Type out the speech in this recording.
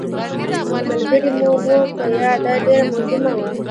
چې ملګري مو وو که یا، دا ډېره مهمه وه.